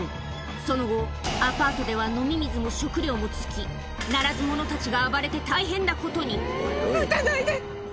その後、アパートでは飲み水も食料も尽き、ならず者たちが暴れて、大変なこ撃たないで。